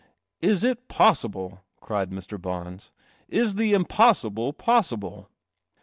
" Is it possible?" cried Mr. Bons. "Is the impossible possible